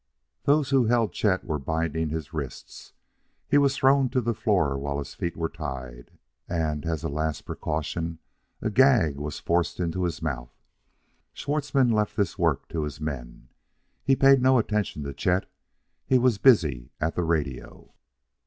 Those who held Chet were binding his wrists. He was thrown to the floor while his feet were tied, and, as a last precaution, a gag was forced into his mouth. Schwartzmann left this work to his men. He paid no attention to Chet; he was busy at the radio.